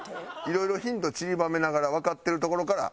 いろいろヒントちりばめながらわかってるところから。